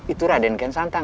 itu raden kian santang